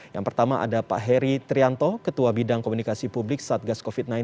yang pertama ada pak heri trianto ketua bidang komunikasi publik satgas covid sembilan belas